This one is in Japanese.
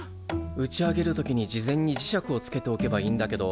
打ち上げる時に事前に磁石をつけておけばいいんだけど。